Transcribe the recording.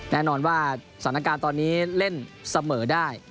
แน่นอนว่าสถานการณ์ตอนนี้เล่นเสมอได้